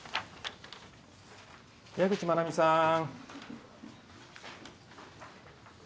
矢口まなみさん。